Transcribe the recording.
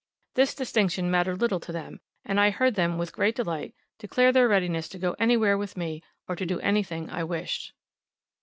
This distinction mattered little to them: and I heard them, with great delight, declare their readiness to go anywhere with me, or do anything I wished.